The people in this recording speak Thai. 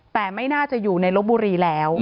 แต่ไม่น่าจะอยู่ในลบบุรีแล้ว